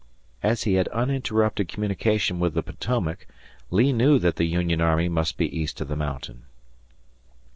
As he had uninterrupted communication with the Potomac, Lee knew that the Union army must be east of the mountain.